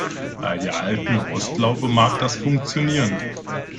Bei der alten Rostlaube mag das funktionieren.